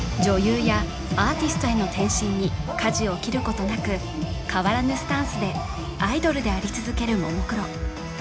女優やアーティストへの転身にかじを切ることなく変わらぬスタンスでアイドルであり続けるももクロ